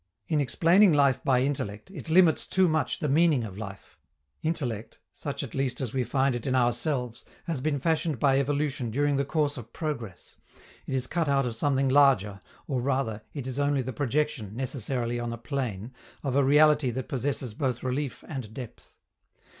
In explaining life by intellect, it limits too much the meaning of life: intellect, such at least as we find it in ourselves, has been fashioned by evolution during the course of progress; it is cut out of something larger, or, rather, it is only the projection, necessarily on a plane, of a reality that possesses both relief and depth.